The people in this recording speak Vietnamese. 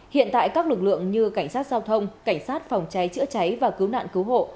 hiện tại các lực lượng như cảnh sát giao thông cảnh sát phòng cháy chữa cháy và cứu nạn cứu hộ